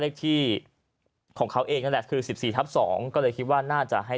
เลขที่ของเขาเองนั่นแหละคือ๑๔ทับ๒ก็เลยคิดว่าน่าจะให้